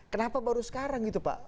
kenapa baru sekarang gitu pak